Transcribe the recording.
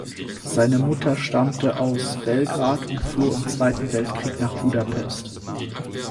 Seine Mutter stammte aus Belgrad und floh im Zweiten Weltkrieg nach Budapest.